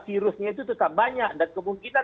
virusnya itu tetap banyak dan kemungkinan